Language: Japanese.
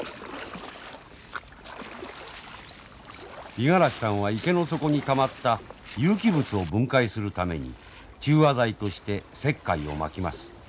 五十嵐さんは池の底にたまった有機物を分解するために中和剤として石灰をまきます。